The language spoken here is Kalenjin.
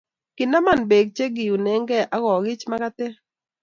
kinaman beek chekiunengei ak kokich makatee